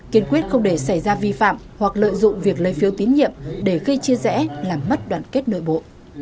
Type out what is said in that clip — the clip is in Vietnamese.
kiên quyết không để xảy ra vi phạm hoặc lợi dụng việc lấy phiếu tín nhiệm để gây chia rẽ làm mất đoàn kết nội bộ